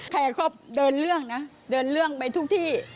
ใครก็เดินเรื่องนะเดินเรื่องไปทุกที่